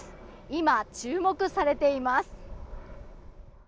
今、注目されています。